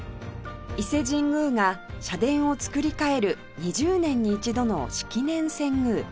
伊勢神宮が社殿をつくり替える２０年に一度の式年遷宮